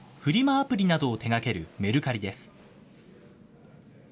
アプリなどを手がけるメルカリです。